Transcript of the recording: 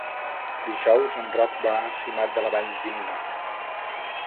Dijous en Roc va a Simat de la Valldigna.